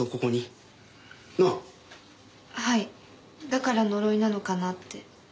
だから呪いなのかなって。